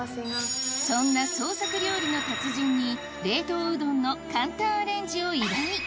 そんな創作料理の達人に冷凍うどんの簡単アレンジを依頼